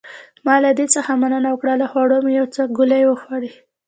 ما له دې څخه مننه وکړ او له خوړو مې یو څو ګولې وخوړې.